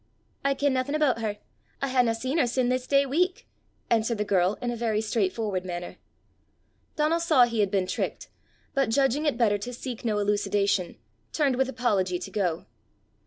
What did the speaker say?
"I ken naething aboot her. I haena seen her sin' this day week," answered the girl in a very straight forward manner. Donal saw he had been tricked, but judging it better to seek no elucidation, turned with apology to go.